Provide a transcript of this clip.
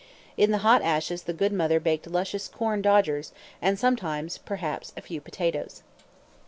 In the hot ashes the good mother baked luscious "corn dodgers," and sometimes, perhaps, a few potatoes.